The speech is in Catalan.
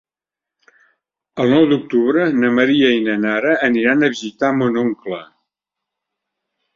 El nou d'octubre na Maria i na Nara aniran a visitar mon oncle.